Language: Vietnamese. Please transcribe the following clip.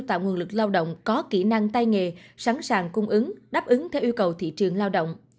tạo nguồn lực lao động có kỹ năng tay nghề sẵn sàng cung ứng đáp ứng theo yêu cầu thị trường lao động